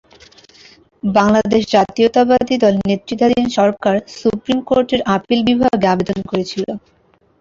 বাংলাদেশ জাতীয়তাবাদী দল নেতৃত্বাধীন সরকার সুপ্রিম কোর্টের আপিল বিভাগে আবেদন করেছিল।